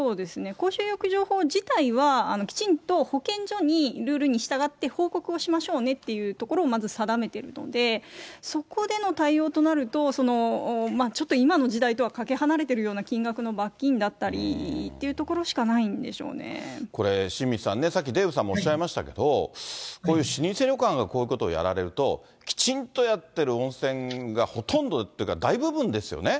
公衆浴場法自体は、きちんと保健所にルールに従って報告をしましょうねというところを、まず定めているので、そこでの対応となると、ちょっと今の時代とはかけ離れてるような金額の罰金だったりといこれ、新道さんね、さっきデーブさんもおっしゃいましたけど、こういう老舗旅館がこういうことをやられると、きちんとやってる温泉がほとんどっていうか、大部分ですよね。